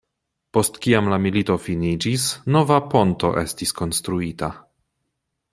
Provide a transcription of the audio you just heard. Post kiam la milito finiĝis, nova ponto estis konstruita.